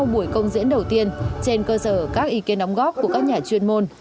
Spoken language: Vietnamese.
buổi công diễn đầu tiên trên cơ sở các ý kiến đóng góp của các nhà chuyên môn